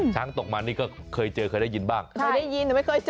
ตกมานี่ก็เคยเจอเคยได้ยินบ้างเคยได้ยินแต่ไม่เคยเจอ